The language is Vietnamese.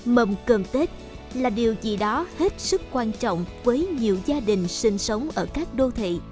mầm cơn tết là điều gì đó hết sức quan trọng với nhiều gia đình sinh sống ở các đô thị